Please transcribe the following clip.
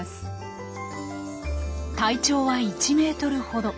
体長は１メートルほど。